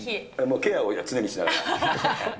ケアを常にしながら。